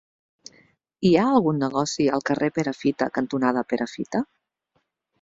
Hi ha algun negoci al carrer Perafita cantonada Perafita?